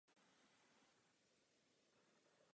Ve studiu pokračoval na univerzitě v Heidelbergu.